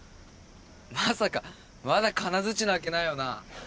まさかまだ金づちなわけないよな？